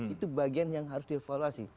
itu bagian yang harus dievaluasi